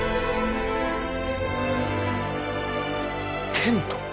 テント？